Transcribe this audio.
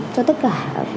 cho tất cả